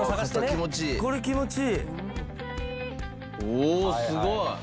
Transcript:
おおすごい。